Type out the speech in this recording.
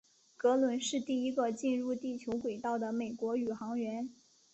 格伦是第一个进入地球轨道的美国宇航员。